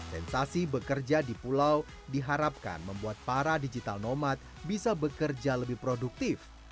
sensasi bekerja di pulau diharapkan membuat para digital nomad bisa bekerja lebih produktif